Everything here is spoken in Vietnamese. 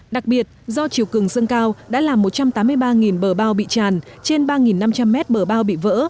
đặc biệt do chiều cường sân cao đã làm một trăm tám mươi ba bờ bao bị tràn trên ba năm trăm linh mét bờ bao bị vỡ